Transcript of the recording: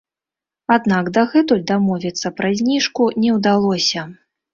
Аднак дагэтуль дамовіцца пра зніжку не ўдалося.